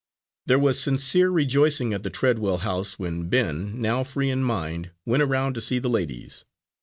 There was sincere rejoicing at the Treadwell house when Ben, now free in mind, went around to see the ladies.